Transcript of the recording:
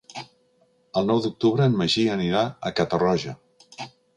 El nou d'octubre en Magí anirà a Catarroja.